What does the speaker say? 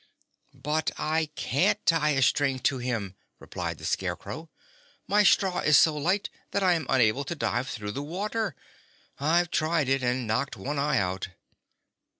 "But I can't tie a string to him," replied the Scarecrow. "My straw is so light that I am unable to dive through the water. I've tried it, and knocked one eye out."